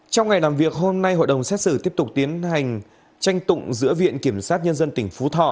trong ngày làm việc hôm nay hội đồng xét xử tiếp tục tiến hành tranh tụng giữa viện kiểm sát nhân dân tỉnh phú thọ